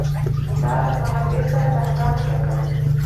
دا له مهال ویش سره د اهدافو ټاکل دي.